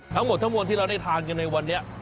ทั้งหมดทั้งมวลที่เราได้ทานกันในวันนี้